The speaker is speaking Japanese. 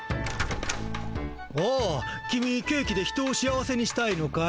おおキミケーキで人を幸せにしたいのかい？